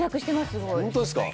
本当ですか？